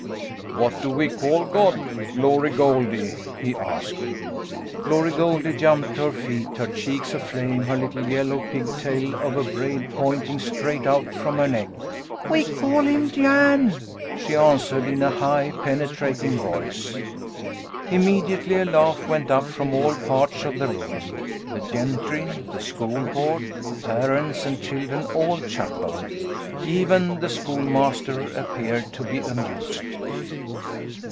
"What do we call God, Glory Goldie?" he asked. Glory Goldie jumped to her feet, her cheeks aflame, her little yellow pigtail of a braid pointing straight out from her neck. "We call him Jan," she answered in a high, penetrating voice. Immediately a laugh went up from all parts of the room. The gentry, the School Board, parents and children all chuckled. Even the schoolmaster appeared to be amused.